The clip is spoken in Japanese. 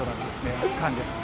圧巻です。